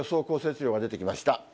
降雪量が出てきました。